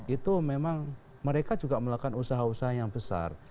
itu memang mereka juga melakukan usaha usaha yang besar